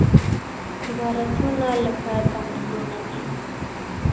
عبادتونه لکه تمرینونه دي.